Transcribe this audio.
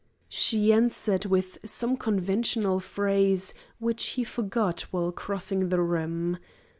She answered with some conventional phrase which he forgot while crossing the room.